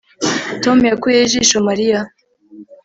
Tom yakuyeho ijisho Mariya